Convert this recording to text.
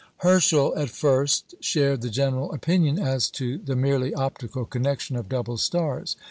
Herschel at first shared the general opinion as to the merely optical connection of double stars.